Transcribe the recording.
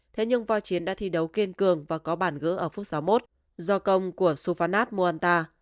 thế nhưng vào chiến đã thi đấu kiên cường và có bản gỡ ở phút sáu một do công của suphanath muanta